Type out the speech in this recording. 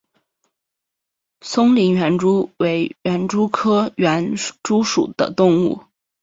松林园蛛为园蛛科园蛛属的动物。